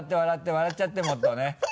笑っちゃってもっとね。